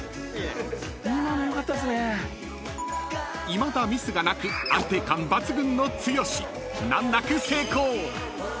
［いまだミスがなく安定感抜群の剛難なく成功］